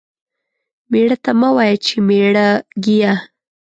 ميړه ته مه وايه چې ميړه گيه.